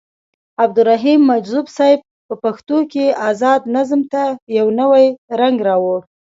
عبدالرحيم مجذوب صيب په پښتو کې ازاد نظم ته يو نوې رنګ راوړو.